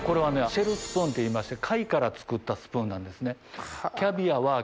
シェルスプーンっていいまして貝から作ったスプーンなんですね。